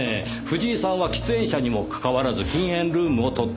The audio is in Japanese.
藤井さんは喫煙者にもかかわらず禁煙ルームを取っていました。